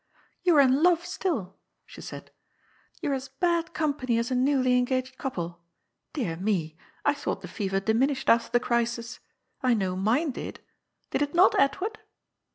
" You are in love still," she said. ^^ You are as bad company as a newly en gaged couple. Dear me, I thought the fever diminished after the crisis. I know mine did; did it not, Edward?"